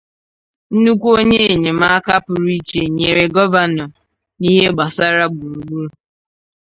nnukwu onye enyemaka pụrụ ichè nyere Gọvanọ n'ihe gbasaara gburugburu